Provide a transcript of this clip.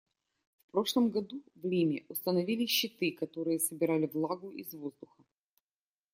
В прошлом году в Лиме установили щиты, которые собирали влагу из воздуха.